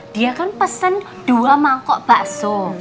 dia kan pesen dua mangkok bakso